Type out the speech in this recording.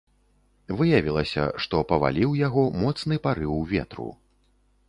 Выявілася, што паваліў яго моцны парыў ветру.